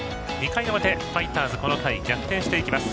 ２回の表、ファイターズこの回、逆転していきます。